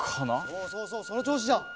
そうそうそうそのちょうしじゃ。